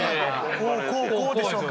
こうこうこうでしょうか？